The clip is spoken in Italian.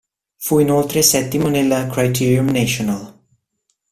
Fu inoltre settimo nel Criterium National.